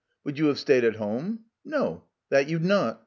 Would you have stayed at home ? No, that you'd not